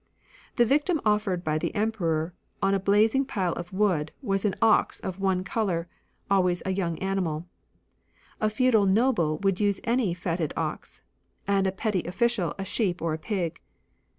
The victim offered by the Emperor on a blazing pile of wood was an ox of one colour, always a yoimg animal ; a feudal noble would use any fatted ox ; and a petty official a sheep or a pig.